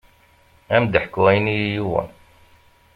Ad m-d-ḥkuɣ ayen i yi-yuɣen.